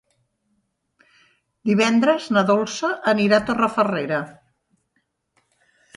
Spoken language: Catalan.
Divendres na Dolça anirà a Torrefarrera.